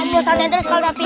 ambil santan terus kalau tapi